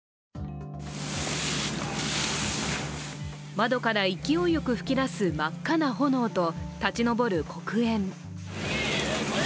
窓から勢いよく噴き出す真っ赤な炎と立ち上る黒煙。